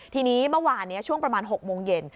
ทีนี้เมื่อวานนี้ช่วงประมาณ๖โมงเย็น